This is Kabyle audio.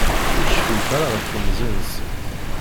Ur cfint ara ɣef temẓi-nsent.